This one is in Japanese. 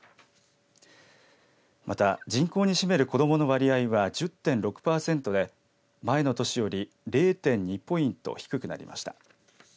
また人口に占める子どもの割合は１０．６パーセントで前の年より０．２ポイント低くなりました。